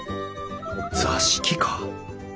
座敷か？